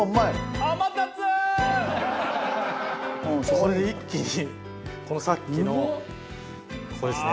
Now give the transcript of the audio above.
ここで一気にこのさっきのこれですね。